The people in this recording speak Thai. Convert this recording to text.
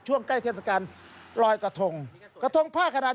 ช่วงใกล้เทศกรรมรอยกระทง